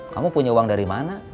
kamu punya uang dari mana